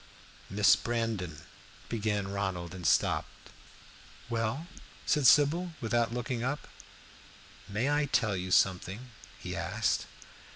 "Miss Brandon" began Ronald, and stopped. "Well?" said Sybil, without looking up. "May I tell you something?" he asked.